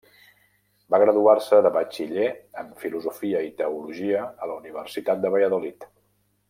Va graduar-se de Batxiller en Filosofia i Teologia a la Universitat de Valladolid.